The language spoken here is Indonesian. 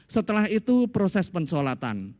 setelah itu proses pensolatan